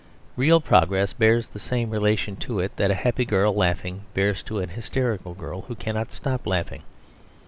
Real progress bears the same relation to it that a happy girl laughing bears to an hysterical girl who cannot stop laughing.